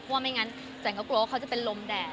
เพราะว่าไม่งั้นจันก็กลัวว่าเขาจะเป็นลมแดด